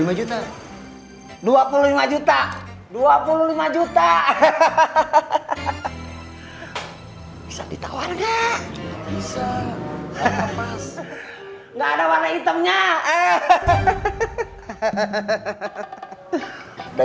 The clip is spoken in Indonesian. hai dua puluh lima juta dua puluh lima juta hahaha bisa ditawar enggak bisa enggak ada warna hitamnya